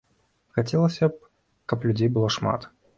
Хацелася б, каб людзей было шмат!